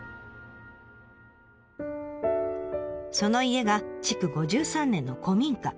その家が築５３年の古民家。